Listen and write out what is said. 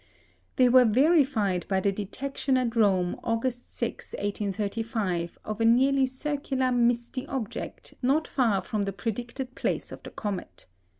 They were verified by the detection at Rome, August 6, 1835, of a nearly circular misty object not far from the predicted place of the comet.